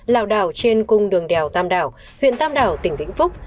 lào đảo trên cung đường đèo tam đảo huyện tam đảo tỉnh vĩnh phúc